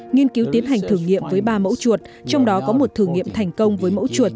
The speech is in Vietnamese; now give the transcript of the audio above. nghiên cứu tiến hành thử nghiệm với ba mẫu chuột trong đó có một thử nghiệm thành công với mẫu chuột